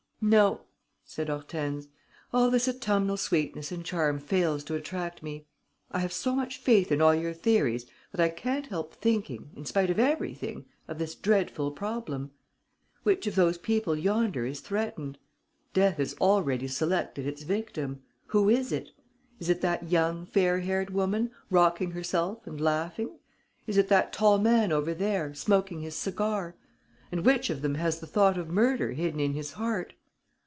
"No," said Hortense, "all this autumnal sweetness and charm fails to attract me. I have so much faith in all your theories that I can't help thinking, in spite of everything, of this dreadful problem. Which of those people yonder is threatened? Death has already selected its victim. Who is it? Is it that young, fair haired woman, rocking herself and laughing? Is it that tall man over there, smoking his cigar? And which of them has the thought of murder hidden in his heart?